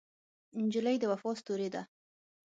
نجلۍ د وفا ستورې ده.